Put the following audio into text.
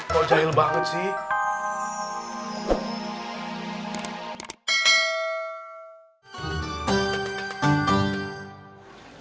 kok jahil banget sih